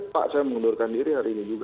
pak saya mengundurkan diri hari ini juga